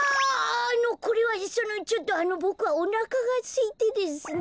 あのこれはそのちょっとあのボクはおなかがすいてですね。